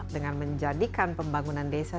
dengan menjadikan pembangunan desa